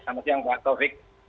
selamat siang pak taufik